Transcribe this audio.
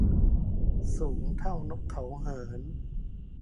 สูงเท่านกเขาเหิน